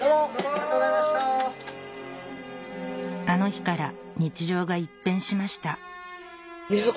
あの日から日常が一変しました・